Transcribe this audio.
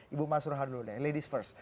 ibu mas surhan dulu deh ladies first